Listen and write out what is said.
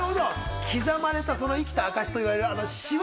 刻まれた、生きた証しといわれるシワ。